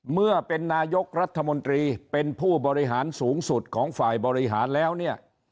เมื่อเป็นนายกรัฐมนตรีเป็นผู้บริหารสูงสุดของฝ่ายบริหารแล้วเนี่ย